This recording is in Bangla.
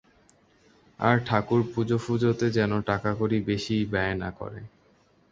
আর ঠাকুরপুজো-ফুজোতে যেন টাকাকড়ি বেশী ব্যয় না করে।